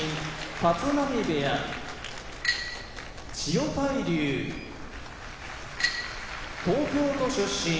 立浪部屋千代大龍東京都出身